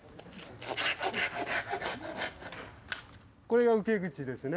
これが受け口ですね。